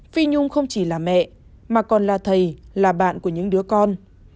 phi nhung không chỉ là mẹ mà còn là thầy là bạn của những đứa con